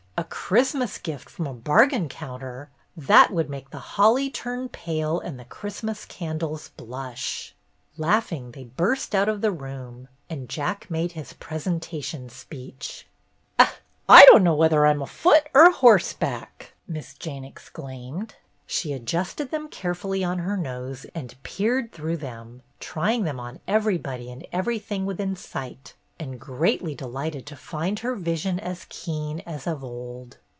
A Christmas gift from a bargain counter 1 That would make the holly turn pale and the Christmas candles blush." Laughing, they burst out of the room, and Jack made his presentation speech. "Ach, I dunno w'ether I'm afoot or horse back!" Miss Jane exclaimed. She adjusted them carefully on her nose and peered through them, trying them on everybody and everything within sight, and greatly delighted to find her vision as keen as of old.